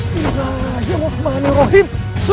ya allah dia mau kemana rohit